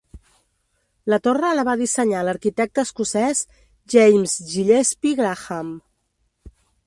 La torre la va dissenyar l'arquitecte escocès James Gillespie Graham.